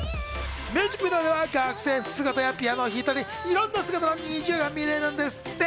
ミュージックビデオでは学生服姿やピアノを弾いたり、いろんな姿のＮｉｚｉＵが見られるんですって。